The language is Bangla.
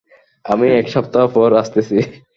আমি এক সপ্তাহ পর আসতেছি।